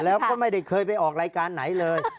แล้วก็ไม่ได้เคยไปออกรายการไหนเลย